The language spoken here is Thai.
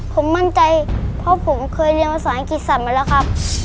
ผมมั่นใจเพราะผมเคยเรียนภาษาอังกฤษสัตว์มาแล้วครับ